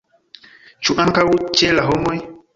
Ĉu ankaŭ ĉe la homoj?